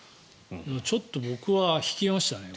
ちょっと僕は引きましたね